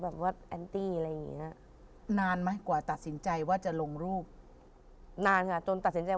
พี่อินบอกว่าไม่กล้าลงรูปเลยหรอกตอนแรก